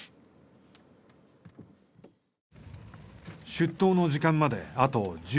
出頭の時間まであと１５分。